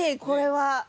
これは？